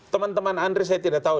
teman teman andre saya tidak tahu